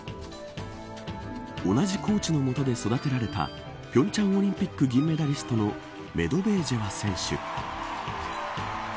同じコーチの下で育てられた平昌オリンピック銀メダリストのメドベージェワ選手。